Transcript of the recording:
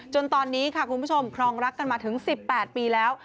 จนตอนนี้ค่ะคุณผู้ชมครองรักกันมาถึง๑๘ปีแล้ว